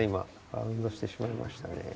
バウンドしてしまいましたね。